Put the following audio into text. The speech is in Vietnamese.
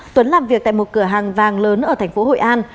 tuấn làm việc tại một cửa hàng vàng lớn ở tp hcm